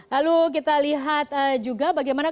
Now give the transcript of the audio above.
lalu kita lihat juga bagaimana